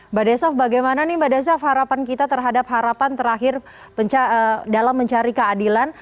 mbak desaf bagaimana nih mbak desaf harapan kita terhadap harapan terakhir dalam mencari keadilan